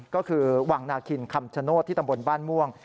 ก็คือวังนาคินคำชโนธที่ตำบลบ้านม่วง